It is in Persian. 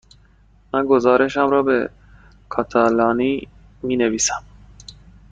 من گزارشم را به کاتالانی می نویسم.